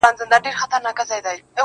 د زنده گۍ ياري كړم~